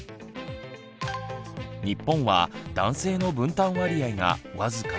日本は男性の分担割合が僅か１５％。